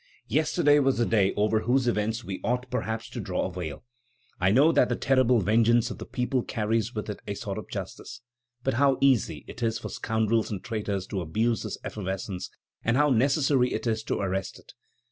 Yesterday was a day over whose events we ought, perhaps, to draw a veil. I know that the terrible vengeance of the people carries with it a sort of justice; but how easy it is for scoundrels and traitors to abuse this effervescence, and how necessary it is to arrest it!"